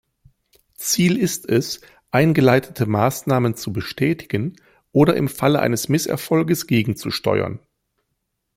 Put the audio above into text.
Ziel ist es, eingeleitete Maßnahmen zu bestätigen oder im Falle eines Misserfolges gegenzusteuern.